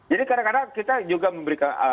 jadi kadang kadang kita juga memberikan